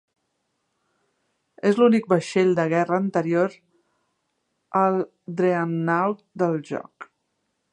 És l'únic vaixell de guerra anterior al dreadnought del joc.